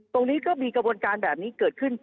ตรงนี้ก็มีกระบวนการแบบนี้เกิดขึ้น